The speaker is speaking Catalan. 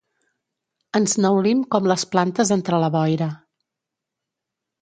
Ens neulim com les plantes entre la boira.